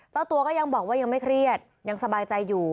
เจ้าตัวก็ยังบอกว่ายังไม่เครียดยังสบายใจอยู่